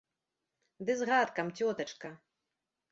Ды з гакам, цётачка.